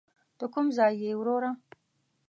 ته کوم ځای یې وروره.